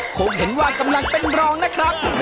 คงเห็นว่ากำลังเป็นรองนะครับ